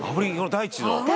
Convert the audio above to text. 大地の。